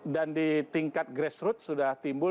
dan di tingkat grassroots sudah timbul